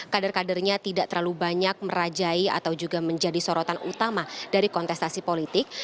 kader kadernya tidak terlalu banyak merajai atau juga menjadi sorotan utama dari kontestasi politik